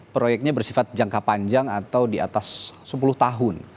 proyeknya bersifat jangka panjang atau di atas sepuluh tahun